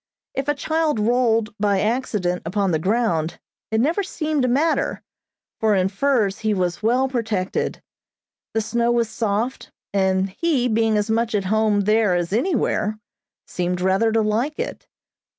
If a child rolled, by accident, upon the ground, it never seemed to matter, for in furs he was well protected. The snow was soft, and he, being as much at home there as anywhere, seemed rather to like it.